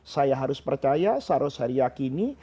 saya harus percaya seharusnya diyakini